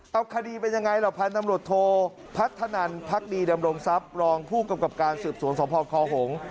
เอาคดีเป็นยังไงล่ะพันธ์โดรดโทพัดธนรพรรคดีดำรงทรัพย์รองผู้กำกับการสืบสทวงสมพบคฮง